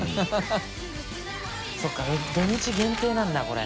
そうか土日限定なんだこれ。